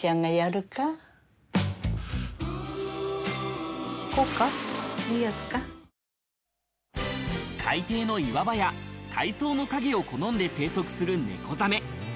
俺がこの役だったのに海底の岩場や海藻の影を好んで生息するネコザメ。